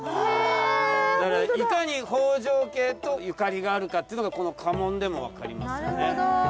だからいかに北条家とゆかりがあるかっていうのがこの家紋でも分かりますよね。